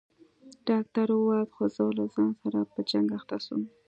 ډاکتر ووت خو زه له ځان سره په جنگ اخته سوم.